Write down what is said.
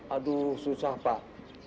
aduh susah pak